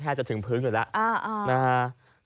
แทบจะถึงพื้นอยู่แล้ว